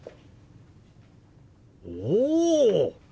おお！